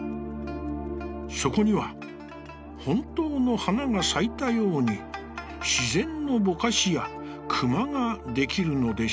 そこには、本当の花が咲いたように、自然のぼかしや、隈が出来るのでした」。